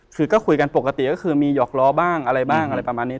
คือก็คุยกันปกติก็คือมีหยอกล้อบ้างอะไรบ้างอะไรประมาณนี้